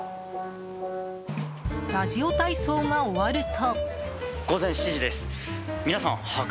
ラジオ体操が終わると。